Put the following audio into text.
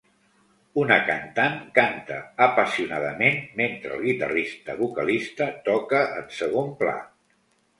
Una cantant canta apassionadament mentre el guitarrista vocalista toca en segon pla.